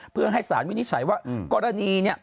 เพื่อให้สารวินิจฉัยว่ากรณีเนี่ย